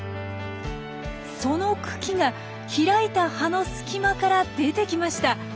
その茎が開いた葉の隙間から出てきました。